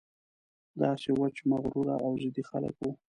داسې وچ مغروره او ضدي خلک وو.